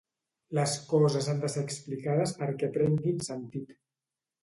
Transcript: Les coses han de ser explicades perquè prenguin sentit.